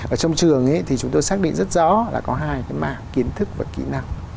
ở trong trường thì chúng tôi xác định rất rõ là có hai cái mảng kiến thức và kỹ năng